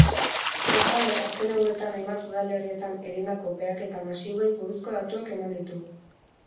Bestalde, azken egunetan hainbat udalerrietan egindako baheketa masiboei buruzko datuak eman ditu.